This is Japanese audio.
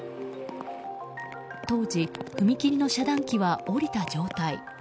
当時、踏切の遮断機は下りた状態。